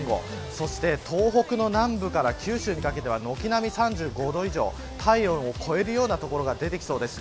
そして東北の南部から九州にかけては軒並み３５度以上体温を超えるような所が出てきそうです。